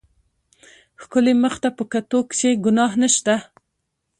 ښکلي مخ ته په کتو کښې ګناه نشته.